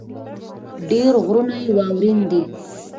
ډېر غرونه يې واؤرين دي ـ